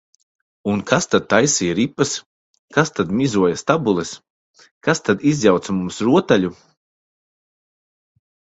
Un kas tad taisīja ripas, kas tad mizoja stabules, kas tad izjauca mums rotaļu?